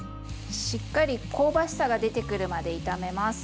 しっかり香ばしさが出てくるまで炒めます。